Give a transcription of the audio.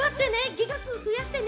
ギガ数増やしてね。